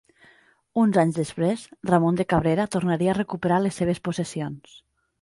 Uns anys després, Ramon de Cabrera tornaria a recuperar les seves possessions.